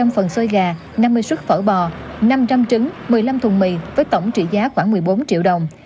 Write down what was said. ba trăm linh phần xôi gà năm mươi xuất phở bò năm trăm linh trứng một mươi năm thùng mì với tổng trị giá khoảng một mươi bốn triệu đồng